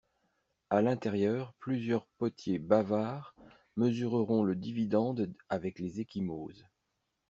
À l'intérieur, plusieurs potiers bavards mesureront le dividende avec les ecchymoses.